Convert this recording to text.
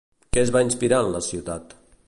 Què es va inspirar en la ciutat?